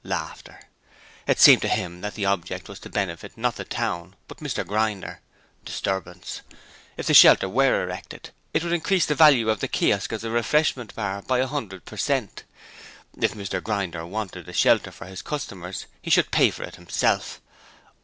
It seemed to him that the object was to benefit, not the town, but Mr Grinder. (Disturbance.) If this shelter were erected, it would increase the value of the Kiosk as a refreshment bar by a hundred per cent. If Mr Grinder wanted a shelter for his customers he should pay for it himself.